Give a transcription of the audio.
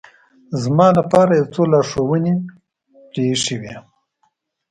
زما لپاره یو څو لارښوونې پرې اېښې وې.